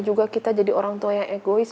juga kita jadi orang tua yang egois